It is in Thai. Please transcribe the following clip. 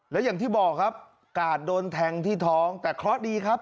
แล้วอย่างที่บอกครับกาดโดนแทงที่ท้องแต่เคราะห์ดีครับ